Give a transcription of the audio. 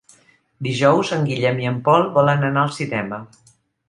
Dijous en Guillem i en Pol volen anar al cinema.